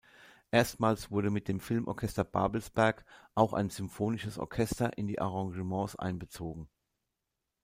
Erstmals wurde mit dem Filmorchester Babelsberg auch ein sinfonisches Orchester in die Arrangements einbezogen.